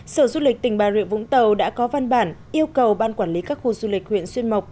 sở du lịch tỉnh bà rịa vũng tàu đã có văn bản yêu cầu ban quản lý các khu du lịch huyện xuyên mộc